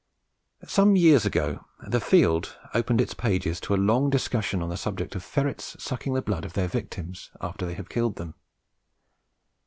Some years ago the Field opened its pages to a long discussion on the subject of ferrets sucking the blood of their victims after they have killed them.